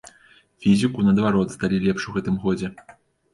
Фізіку, наадварот, здалі лепш у гэтым годзе.